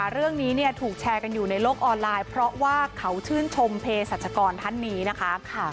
เรื่องนี้ถูกแชร์กันอยู่ในโลกออนไลน์เพราะว่าเขาชื่นชมเพศรัชกรท่านนี้นะคะ